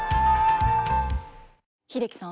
英樹さん